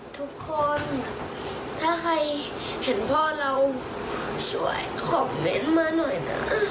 ทุกคนถ้าใครเห็นพ่อเราช่วยคอมเมนต์มาหน่อยนะ